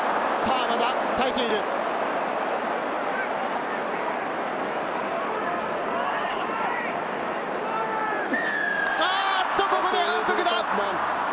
あっと、ここで反則だ！